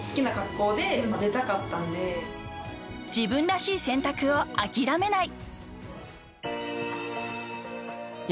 ［自分らしい選択を諦めない］